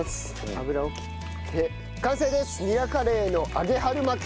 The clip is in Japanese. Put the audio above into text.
油を切って完成です。